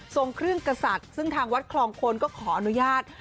เครื่องกษัตริย์ซึ่งทางวัดคลองคนก็ขออนุญาต